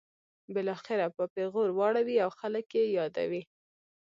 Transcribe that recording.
بالاخره په پیغور واړوي او خلک یې یادوي.